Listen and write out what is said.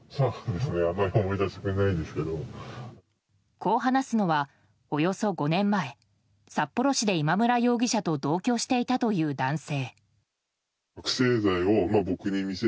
こう話すのは、およそ５年前札幌市で今村容疑者と同居していたという男性。